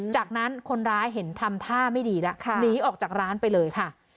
จากนั้นคนร้ายเห็นทำท่าไม่ดีแล้วหนีออกจากร้านไปเลยค่ะ